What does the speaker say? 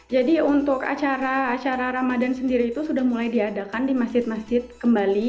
jadi untuk acara acara ramadan sendiri itu sudah mulai diadakan di masjid masjid kembali